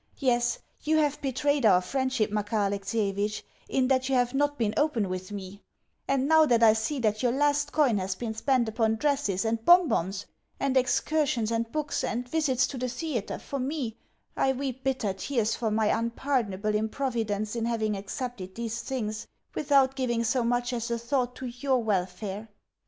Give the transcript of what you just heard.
Yes, you have betrayed our friendship, Makar Alexievitch, in that you have not been open with me; and, now that I see that your last coin has been spent upon dresses and bon bons and excursions and books and visits to the theatre for me, I weep bitter tears for my unpardonable improvidence in having accepted these things without giving so much as a thought to your welfare.